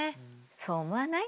そう思わない？